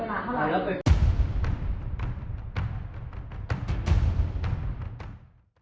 แล้วในนี้เป็นทองทองมีทองจริงไหม